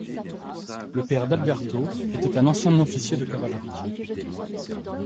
Le père d'Alberto était un ancien officier de cavalerie.